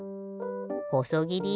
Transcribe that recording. ほそぎり。